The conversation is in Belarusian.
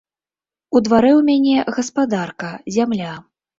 У дварэ ў мяне гаспадарка, зямля.